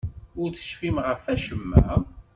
Ur tecfim ɣef wacemma?